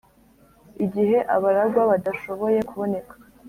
igihe abaragwa badashoboye kuboneka,